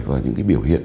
và những cái biểu hiện